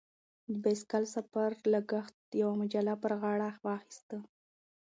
د بایسکل سفر لګښت یوه مجله پر خپله غاړه واخیست.